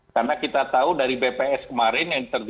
karena kita tahu dari bps kemarin yang terjadi